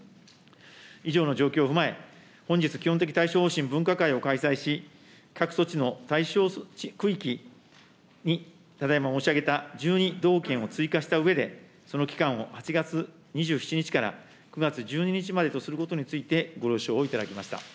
以上の状況を踏まえ、本日、基本的対処方針分科会を開催し、各措置の対象区域に、ただいま申し上げた１２道県を追加したうえで、その期間を８月２７日から９月１２日までとすることについて、ご了承をいただきました。